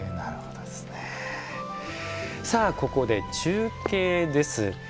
さあここで中継です。